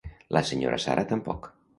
La Sra. Sarah tampoc.